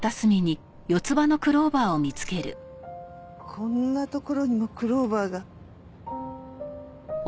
こんな所にもクローバーが。